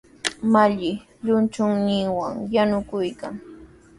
Malli llumchuyninwan yanukuykan.